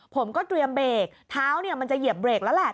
ผมก็เตรียมเบรกเท้าเนี่ยมันจะเหยียบเบรกแล้วแหละ